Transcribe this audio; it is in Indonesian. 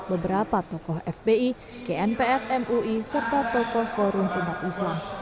beberapa tokoh fbi knpf mui serta tokoh forum umat islam